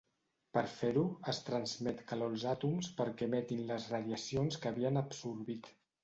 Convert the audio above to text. Per fer-ho, es transmet calor als àtoms perquè emetin les radiacions que havien absorbit.